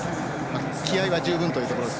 気合いは十分というところです。